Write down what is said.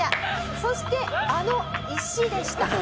そしてあの石でした。